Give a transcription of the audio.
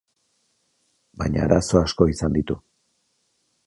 Baina arazo asko izango ditu.